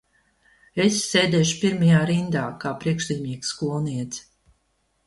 Es sēdēšu pirmajā rindā kā priekšzīmīga skolniece.